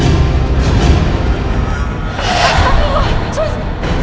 aduh loh sus